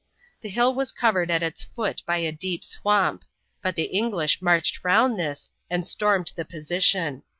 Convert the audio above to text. The hill was covered at its foot by a deep swamp, but the English marched round this and stormed the position.